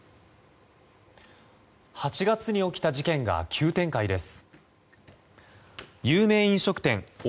８月に起きた事件が急展開です。